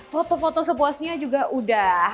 foto foto sepuasnya juga udah